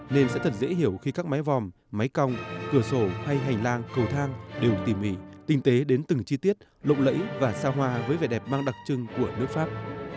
nên sẽ thật dễ hiểu khi các máy vòm máy cong cửa sổ hay hành lang cầu thang đều tỉ mỉ tinh tế đến từng chi tiết lộng lẫy và xa hoa với vẻ đẹp mang đặc trưng của nước pháp